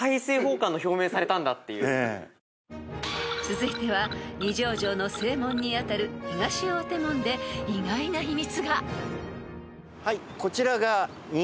［続いては二条城の正門に当たる東大手門で意外な秘密が］